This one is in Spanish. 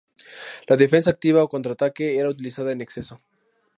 La defensa activa o contraataque era utilizada en exceso.